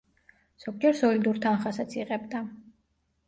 ზოგჯერ სოლიდურ თანხასაც იღებდა.